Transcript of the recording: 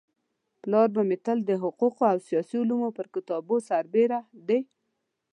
پلار به مي تل د حقوقو او سياسي علومو پر كتابو سربيره د